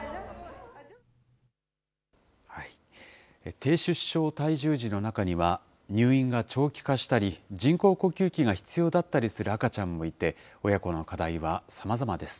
低出生体重児の中には、入院が長期化したり、人工呼吸器が必要だったりする赤ちゃんもいて、親子の課題はさまざまです。